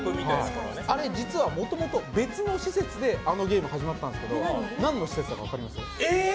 あれ、実はもともと別の施設であのゲームが始まったんですけど分かった！